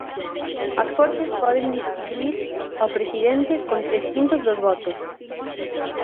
As Cortes poden destituír ao Presidente con tres quintos dos votos.